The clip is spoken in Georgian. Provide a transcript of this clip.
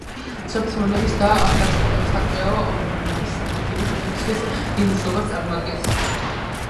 სოფლის მეურნეობისა და სატყეო მეურნეობის დარგები ქვეყნისთვის დიდ მნიშვნელობას წარმოადგენს.